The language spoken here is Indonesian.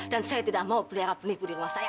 dan saya tidak mau pelihara penipu di rumah saya